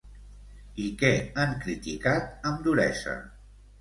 I què han criticat amb duresa?